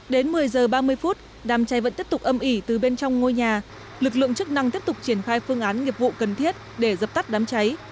đến một mươi giờ ba mươi phút đám cháy vẫn tiếp tục âm ỉ từ bên trong ngôi nhà lực lượng chức năng tiếp tục triển khai phương án nghiệp vụ cần thiết để dập tắt đám cháy